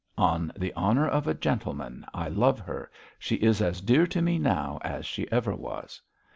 'On the honour of a gentleman. I love her; she is as dear to me now as she ever was.'